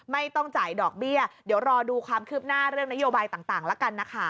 ไม่ต้องจ่ายดอกเบี้ยเดี๋ยวรอดูความคืบหน้าเรื่องนโยบายต่างแล้วกันนะคะ